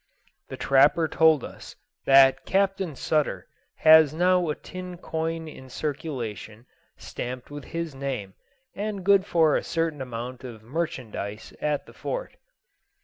The trapper told us that Captain Sutter has now a tin coin in circulation, stamped with his name, and good for a certain amount of merchandize at the Fort.